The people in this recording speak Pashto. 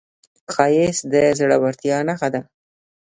ښایست د زړورتیا نښه ده